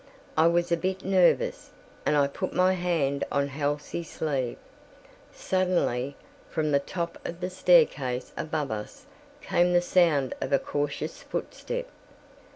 I was a bit nervous, and I put my hand on Halsey's sleeve. Suddenly, from the top of the staircase above us came the sound of a cautious footstep.